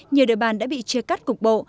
nhiều đội bàn đã bị chia cắt cục bộ